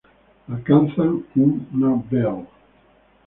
Alcanzan una vel.